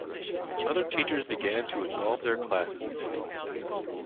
Other teachers began to involve their classes in it.